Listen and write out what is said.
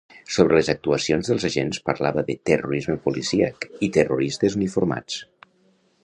Sobre les actuacions dels agents parlava de ‘terrorisme policíac’ i ‘terroristes uniformats’.